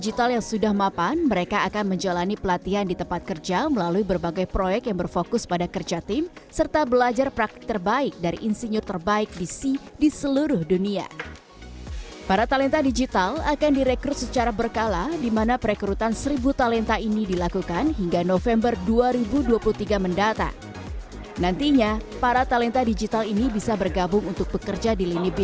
sileps indonesia juga diresmikan langsung oleh presiden joko widodo